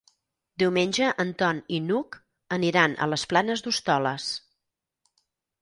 Diumenge en Ton i n'Hug aniran a les Planes d'Hostoles.